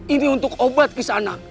ini untuk obat kisanak